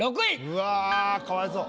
うわぁかわいそう。